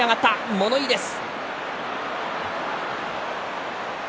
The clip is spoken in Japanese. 物言いです。